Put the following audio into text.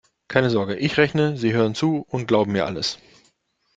Keine Sorge: Ich rechne, Sie hören zu und glauben mir alles.